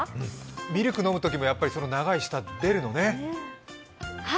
ミルク飲むときも、その長い舌が出るのね。